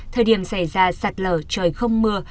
thời điểm xảy ra sạt lở trời không mưa